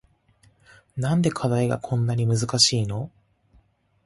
なんで課題がこんなに難しいの